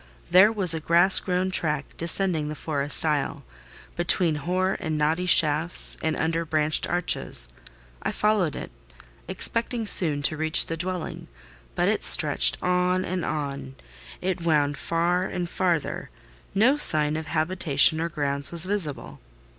There was a grass grown track descending the forest aisle between hoar and knotty shafts and under branched arches. I followed it, expecting soon to reach the dwelling; but it stretched on and on, it wound far and farther: no sign of habitation or grounds was visible.